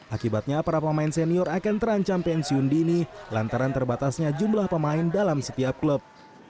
akibatnya para pemain senior akan terancam pensiun dini lantaran terbatasnya jumlah pemain dalam setiap klub